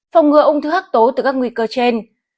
phòng ngừa ung thư hấp tố từ các nguy cơ trên